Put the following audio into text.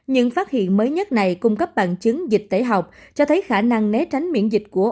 những phát hiện mới nhất này cung cấp bằng chứng dịch tễ học cho thấy khả năng né tránh miễn dịch của